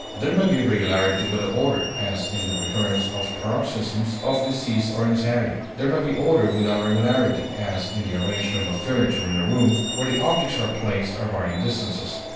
There may be regularity without order, as in the recurrence of paroxysms of disease or insanity; there may be order without regularity, as in the arrangement of furniture in a room, where the objects are placed at varying distances.